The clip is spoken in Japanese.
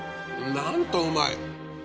なんとうまい。